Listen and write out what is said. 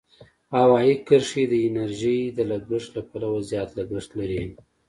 هوایي کرښې د انرژۍ د لګښت له پلوه زیات لګښت لري.